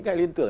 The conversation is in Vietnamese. cái luyện tưởng